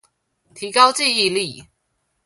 提高記憶力